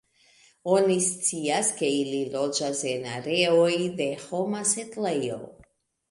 Oni scias, ke ili loĝas en areoj de homa setlejo.